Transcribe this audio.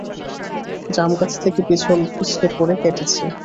জামগাছ থেকে পিছলে পড়ে কেটেছে।